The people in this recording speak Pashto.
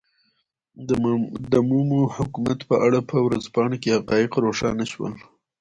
د مومو حکومت په اړه په ورځپاڼه کې حقایق روښانه شول.